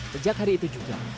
sejak hari itu juga